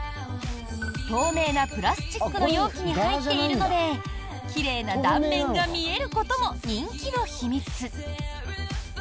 透明なプラスチックの容器に入っているので奇麗な断面が見えることも人気の秘密。